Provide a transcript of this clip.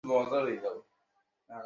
আমার সাথে শুয়োও নি?